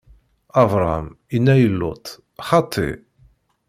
Abṛam inna i Luṭ: Xaṭi!